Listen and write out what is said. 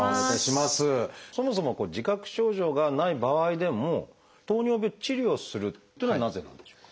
そもそも自覚症状がない場合でも糖尿病を治療するというのはなぜなんでしょうか？